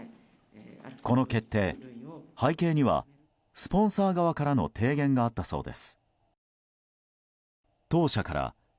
この決定、背景にはスポンサー側からの提言があったそうです。